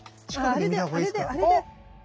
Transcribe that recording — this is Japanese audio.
あれであれであれで！